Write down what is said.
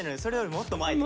もっと前。